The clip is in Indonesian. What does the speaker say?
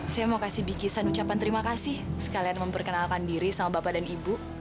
saya mau kasih bikisan ucapan terima kasih sekalian memperkenalkan diri sama bapak dan ibu